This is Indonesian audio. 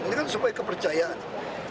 itu kan supaya kepercayaan